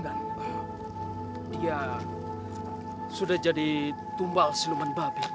ya sudah jadi tumbal siluman babi